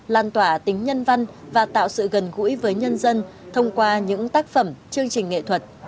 lan tỏa tính nhân văn và tạo sự gần gũi với nhân dân thông qua những tác phẩm chương trình nghệ thuật